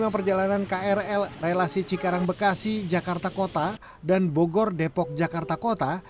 lima perjalanan krl relasi cikarang bekasi jakarta kota dan bogor depok jakarta kota